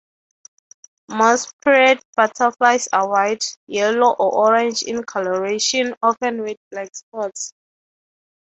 Most pierid butterflies are white, yellow, or orange in coloration, often with black spots.